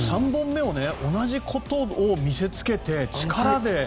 ３本目を同じことを見せつけて、力で。